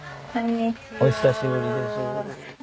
お久しぶりです。